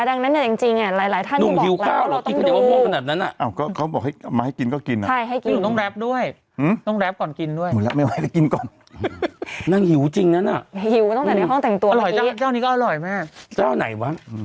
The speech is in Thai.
ดังนั้นจริงหลายท่านจริงเราต้องหิวข้าว